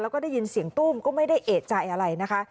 แล้วก็ได้ยินเสียงตู้มก็ไม่ได้เอกใจอะไรนะคะ